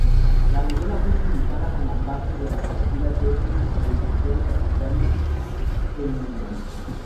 La novela fue publicada como parte de la conocida Serie de Escritores Africanos Heinemann.